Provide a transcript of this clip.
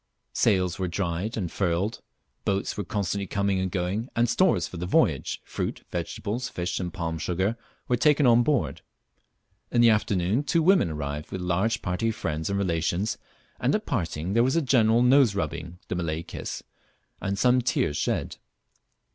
Sails were dried and furled, boats were constantly coming and going, and stores for the voyage, fruit, vegetables, fish, and palm sugar, were taken on board. In the afternoon two women arrived with a large party of friends and relations, and at parting there was a general noserubbing (the Malay kiss), and some tears shed.